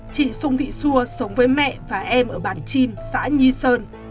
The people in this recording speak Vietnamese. chị xuân thị xua sống với mẹ và em ở bản chin xã nhi sơn